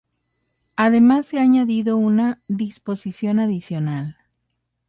Además se ha añadido una "disposición adicional".